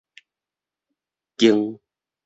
矜